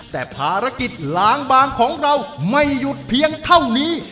แต่ภารกิจล้างบางของเราไม่หยุดเพียงเท่านี้